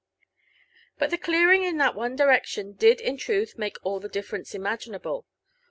But the clearing in that one direction did in truth make all the dif ference imaginable.